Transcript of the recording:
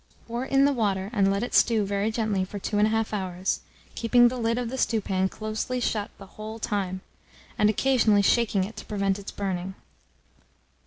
Pour in the water, and let it stew very gently for 2 1/2 hours, keeping the lid of the stewpan closely shut the whole time, and occasionally shaking it to prevent its burning.